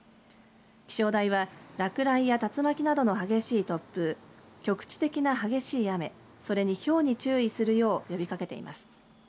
気象台は落雷や竜巻などの激しい突風、局地的な激しい雨それに、ひょうに注意するよう呼びかけています。